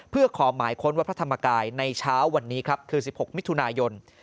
เพื่อขอหมายค้นวัดพระธรรมกายในเช้าวันนี้ครับคือ๑๖มิถุนายน